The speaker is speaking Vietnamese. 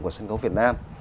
của sân khấu việt nam